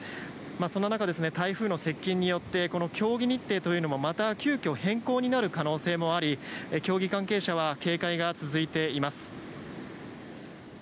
そんな中、台風の接近によって競技日程というのもまた急きょ変更になる可能性もあり競技関係者は警戒が続いています。